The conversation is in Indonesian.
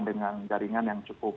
dengan jaringan yang terbaik